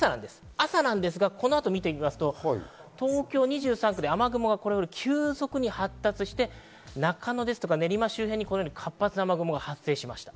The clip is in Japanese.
朝ですが、この後を見ていくと東京２３区で雨雲が急速に発達して、中野や練馬周辺で活発な雨雲が発生しました。